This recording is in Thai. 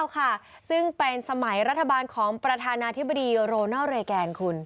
ค่ะซึ่งเป็นสมัยรัฐบาลของประธานาธิบดีโรนัลเรแกนคุณ